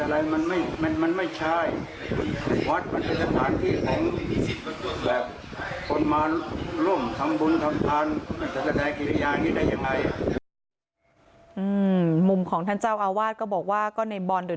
มุมของท่านเจ้าอาวาสก็บอกว่าก็ในบอลเดิน